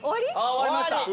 終わりました。